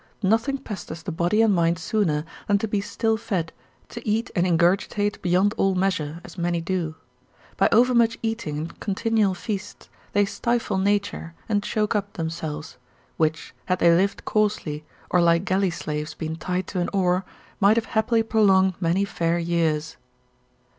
Nothing pesters the body and mind sooner than to be still fed, to eat and ingurgitate beyond all measure, as many do. By overmuch eating and continual feasts they stifle nature, and choke up themselves; which, had they lived coarsely, or like galley slaves been tied to an oar, might have happily prolonged many fair years.